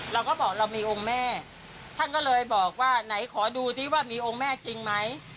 เราก็บอกเรามีองค์แม่ท่านก็เลยบอกว่าไหนขอดูซิว่ามีองค์แม่จริงไหม